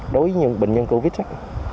đối với những bệnh nhân covid